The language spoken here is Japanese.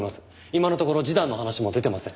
今のところ示談の話も出てません。